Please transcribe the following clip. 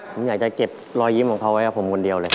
ผมอยากจะเก็บรอยยิ้มของเขาไว้กับผมคนเดียวเลย